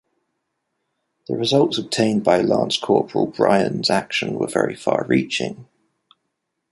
The results obtained by Lance-Corporal Bryan's action were very far-reaching.